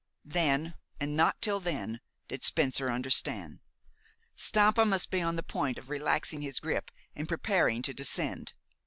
Then, and not till then, did Spencer understand. Stampa must be on the point of relaxing his grip and preparing to descend.